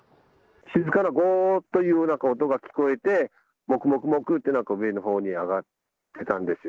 静かなごーっというような音が聞こえて、もくもくもくって、なんか上のほうに上がってたんですよ。